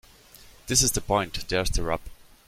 This is the point. There's the rub.